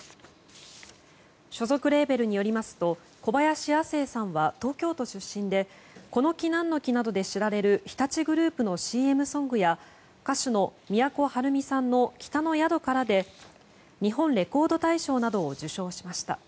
所属レーベルによりますと小林亜星さんは東京都出身で「この木なんの木」などで知られる日立グループのＣＭソングや歌手の都はるみさんの「北の宿から」で日本レコード大賞などを受賞しました。